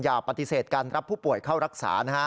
อย่าปฏิเสธการรับผู้ป่วยเข้ารักษานะฮะ